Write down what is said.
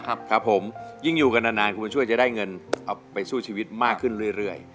ครับครับผมยิ่งอยู่กันนานคุณบุญช่วยจะได้เงินเอาไปสู้ชีวิตมากขึ้นเรื่อย